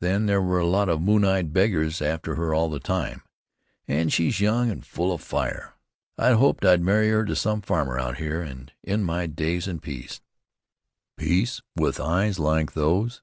Then there were a lot of moon eyed beggars after her all the time, and she's young and full of fire. I hoped I'd marry her to some farmer out here, and end my days in peace." "Peace? With eyes like those?